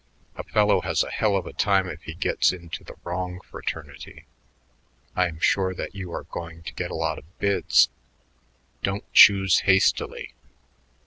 A fellow has a hell of a time if he gets into the wrong fraternity.... I am sure that you are going to get a lot of bids. Don't choose hastily.